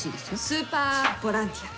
スーパーボランティア。